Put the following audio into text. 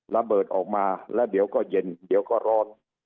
ระเบิดออกมาแล้วเดี๋ยวก็เย็นเดี๋ยวก็ร้อน